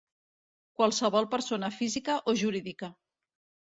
Qualsevol persona física o jurídica.